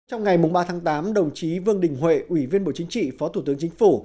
trong ngày ba tháng tám đồng chí vương đình huệ ủy viên bộ chính trị phó thủ tướng chính phủ